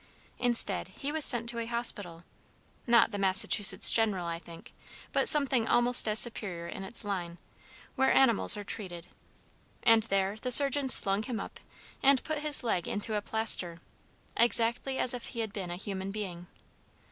Instead, he was sent to a hospital, not the Massachusetts General, I think, but something almost as superior in its line, where animals are treated, and there the surgeons slung him up, and put his leg into plaster, exactly as if he had been a human being.